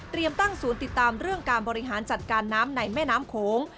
ตั้งศูนย์ติดตามเรื่องการบริหารจัดการน้ำในแม่น้ำโขง